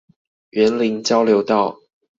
員林交流道